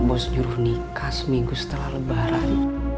pantesan mak bos nyuruh nikah seminggu setelah lebaran